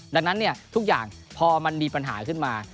ดังนั้นทุกอย่างพอมันมีปัญหาขึ้นมา